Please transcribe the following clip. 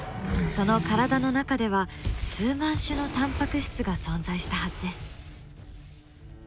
その体の中では数万種のタンパク質が存在したはずです。